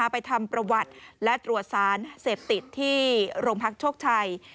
ไปทำประวัติและตรวจสารเสพติดที่โรงพักโชคชัย